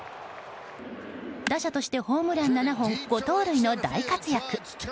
打者としてはホームラン７本５盗塁の大活躍。